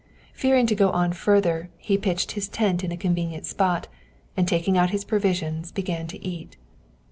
Fearing to go on further, he pitched his tent in a convenient spot, and taking out his provisions, began to eat.